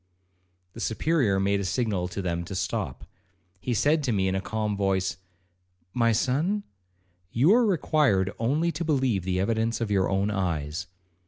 The Superior made a signal to them to stop. He said to me in a calm voice, 'My son, you are required only to believe the evidence of your own eyes.